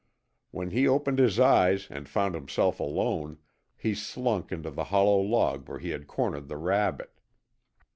When he opened his eyes, and found himself alone, he slunk into the hollow log where he had cornered the rabbit.